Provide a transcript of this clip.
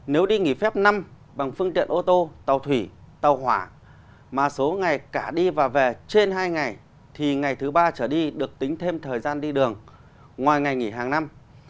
nếu đi nghỉ phép năm bằng phương tiện ô tô tàu thủy tàu hỏa mà số ngày cả đi và về trên hai ngày thì ngày thứ ba trở đi được tính thêm thời gian đi đường ngoài ngày nghỉ hàng năm